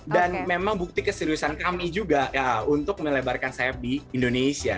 dan memang bukti keseriusan kami juga untuk melebarkan sayap di indonesia